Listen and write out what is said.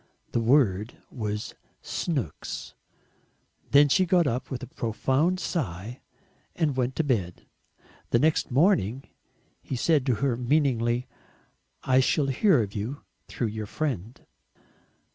The word was "SNOOKS." Then she got up with a profound sigh, and went to bed. The next morning he said to her meaningly, "I shall hear of you through your friend."